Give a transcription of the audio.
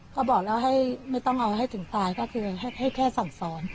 ก็บอกแล้วให้ไม่ต้องเอาให้ถึงตายก็คือให้แค่สั่งสอน